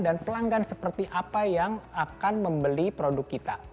pelanggan seperti apa yang akan membeli produk kita